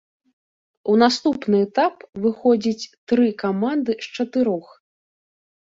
У наступны этап выходзіць тры каманды з чатырох.